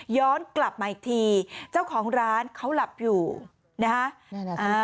ย้อนกลับมาอีกทีเจ้าของร้านเขาหลับอยู่นะฮะ